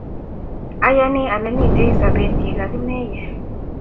Ayoni ale mitei sobeet ye kakimeye